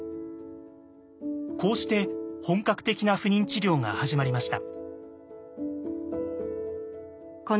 こうして本格的な不妊治療が始まりました。